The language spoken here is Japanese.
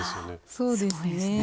そうですね。